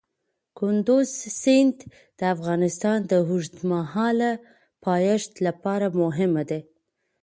کندز سیند د افغانستان د اوږدمهاله پایښت لپاره مهم دی.